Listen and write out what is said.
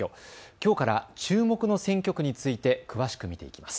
きょうから注目の選挙区について詳しく見ていきます。